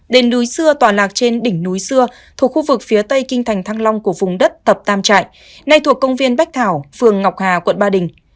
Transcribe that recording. đền núi xưa tọa lạc trên đỉnh núi xưa thuộc khu vực phía tây kinh thành thăng long của vùng đất tập tam trại nay thuộc công viên bách thảo phường ngọc hà quận ba đình